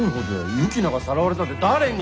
ユキナがさらわれたって誰に！？